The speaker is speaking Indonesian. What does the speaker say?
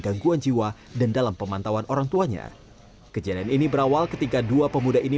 gangguan jiwa dan dalam pemantauan orang tuanya kejadian ini berawal ketika dua pemuda ini